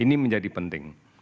ini menjadi penting